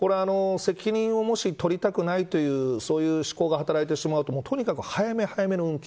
責任を、もし取りたくないというそういう思考が働いてしまうととにかく早め早めの運休。